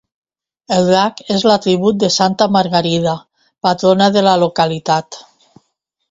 El drac és l'atribut de santa Margarida, patrona de la localitat.